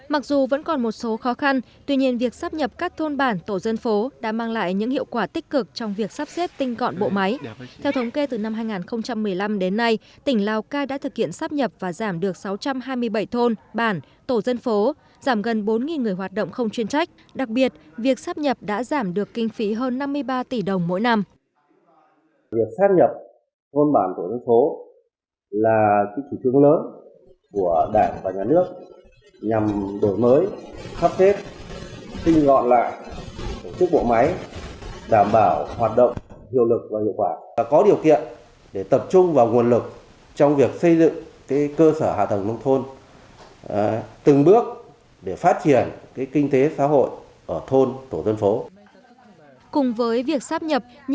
mặc dù vẫn còn một số khó khăn tuy nhiên việc sáp nhập các thôn bản tổ dân phố đã mang lại những hiệu quả tích cực trong việc sáp nhập các thôn bản tổ dân phố giảm gần bốn người hoạt động không chuyên trách đặc biệt việc sáp nhập các thôn bản tổ dân phố đã mang lại những hiệu quả tích cực trong việc sáp nhập các thôn bản tổ dân phố giảm gần bốn người hoạt động không chuyên trách